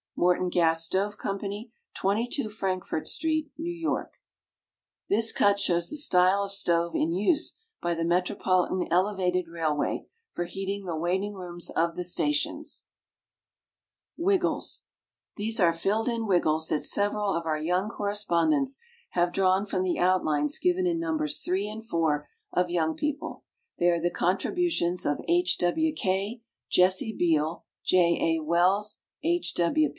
MORTON GAS STOVE CO., 22 Frankfort Street, NEW YORK. This cut shows the style of Stove in use by the METROPOLITAN ELEVATED RAILWAY for heating the waiting rooms of the stations. WIGGLES. These are filled in wiggles that several of our young correspondents have drawn from the outlines given in Nos. 3 and 4 of Young People. They are the contributions of H. W. K., Jessie Beal, J. A. Wells, H.